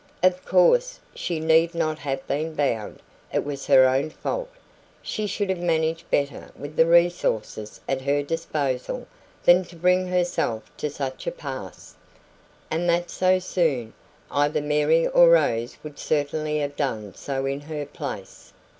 Of course, she need not have been bound; it was her own fault. She should have managed better with the resources at her disposal than to bring herself to such a pass, and that so soon; either Mary or Rose would certainly have done so in her place.